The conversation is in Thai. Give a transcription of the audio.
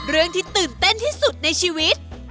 เรื่องที่ตื่นเต้นที่สุดในชีวิต